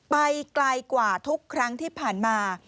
ไปไกลกว่าทุกครั้งที่ผ่านมา